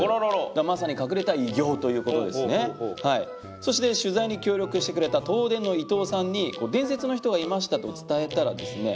そして取材に協力してくれた東電の伊東さんに「伝説の人がいました」と伝えたらですね